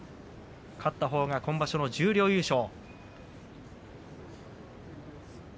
勝ったほうが今場所の十両優勝。